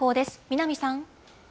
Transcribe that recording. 南さん。